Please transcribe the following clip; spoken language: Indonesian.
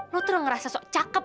lo tuh udah ngerasa sok cakep